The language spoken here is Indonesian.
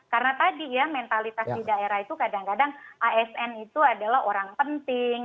karena tadi ya mentalitas di daerah itu kadang kadang asn itu adalah orang penting